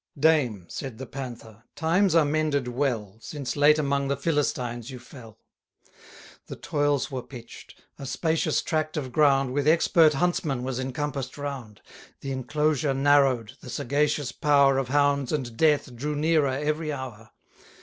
Dame, said the Panther, times are mended well, Since late among the Philistines you fell. The toils were pitch'd, a spacious tract of ground With expert huntsmen was encompass'd round; The enclosure narrow'd; the sagacious power 5 Of hounds and death drew nearer every hour.